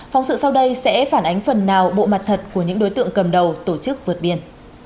phóng sự sau đây sẽ phản ánh phần nào bộ mặt thật của những đối tượng cầm đầu tổ chức vượt biên